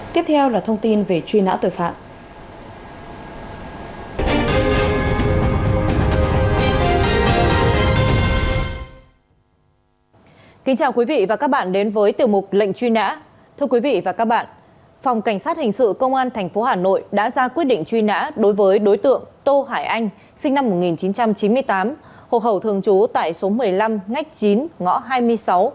tiếp theo là thông tin về truy nã tội phạm